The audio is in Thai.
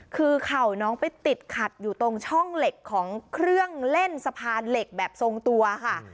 คือเข่าน้องไปติดขัดอยู่ตรงช่องเหล็กของเครื่องเล่นสะพานเหล็กแบบทรงตัวค่ะ